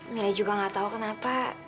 mila juga gak tahu kenapa